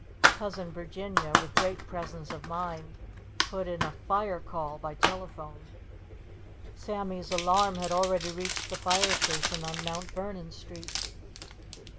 Cousin Virginia, with great presence of mind, put in a fire call by telephone. Sammy's alarm had already reached the fire station on Mt. Vernon Street.